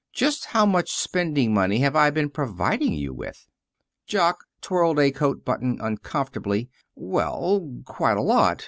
Just how much spending money have I been providing you with?" Jock twirled a coat button uncomfortably "Well, quite a lot.